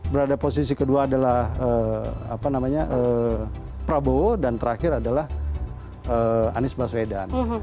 berada posisi kedua adalah prabowo dan terakhir adalah anies baswedan